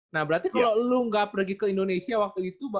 nah berarti kalau lo gak pergi ke indonesia waktu itu